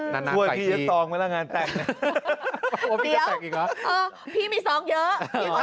นานนานกลายทีพี่มีสองเยอะ